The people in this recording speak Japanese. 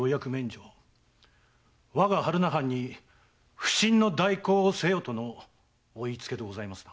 我が榛名藩に普請の代行をせよとのお言いつけでございますな？